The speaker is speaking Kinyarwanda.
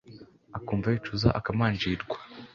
akumva yicuza, akamanjirwa